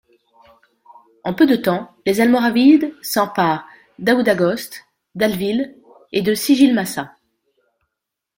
En peu de temps, les Almoravides s'emparent d'Aoudaghost, d'Awlil et de Sijilmassa.